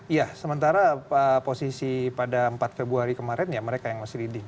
iya sementara posisi pada empat februari kemarin ya mereka yang masih reading